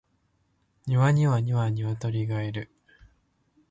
庭には二羽鶏がいる